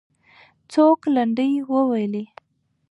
څوک لنډۍ وویلې؟